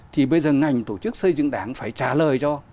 thì bây giờ ngành tổ chức xây dựng đảng phải trả lời cho